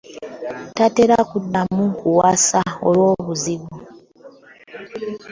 Tatera kuddamu kuwasa olwobuzibu